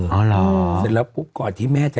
อ๋อเหรอแล้วปุ๊บก่อนที่แม่จะ